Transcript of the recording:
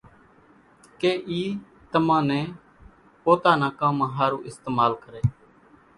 ڪي اِي تمان نين پوتا نان ڪامان ۿارُو استعمال ڪري۔